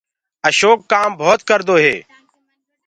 اشوڪ ڪآم ڀوت ڪردو هي۔